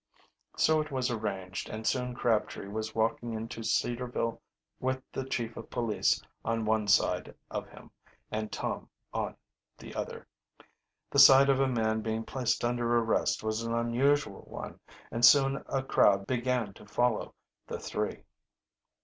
So it was arranged, and soon Crabtree was walking into Cedarville with the chief of police on one side of him and Tom on the other. The sight of a man being placed under arrest was an unusual one, and soon a crowd began to follow the three.